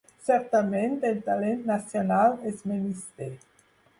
Certament, el talent nacional es menysté.